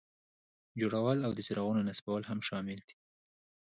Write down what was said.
جوړول او د څراغونو نصبول هم شامل دي.